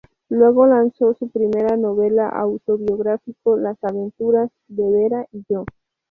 Luego lanzó su primera novela autobiográfico Las Aventuras de Vera y Yo.